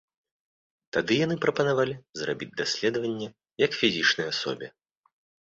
Тады яны прапанавалі зрабіць даследаванне як фізічнай асобе.